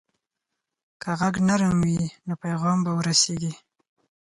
که غږ نرم وي، نو پیغام به ورسیږي.